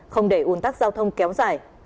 không để un tắc giao thông kéo dài